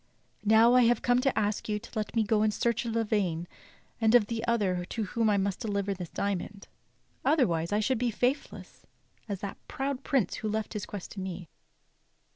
Now I have come to ask you to let me go in search of Lavaine and of that other to whom I must deliver this diamond, otherwise I should be faithless as that proud prince who left his quest to me.